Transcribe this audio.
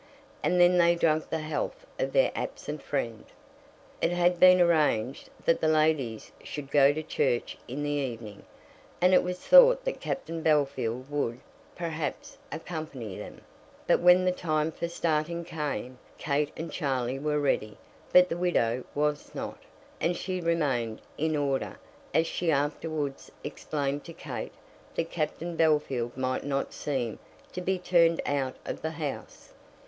And then they drank the health of their absent friend. It had been arranged that the ladies should go to church in the evening, and it was thought that Captain Bellfield would, perhaps, accompany them; but when the time for starting came, Kate and Charlie were ready, but the widow was not, and she remained, in order, as she afterwards explained to Kate, that Captain Bellfield might not seem to be turned out of the house.